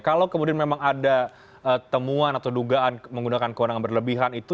kalau kemudian memang ada temuan atau dugaan menggunakan kewenangan berlebihan itu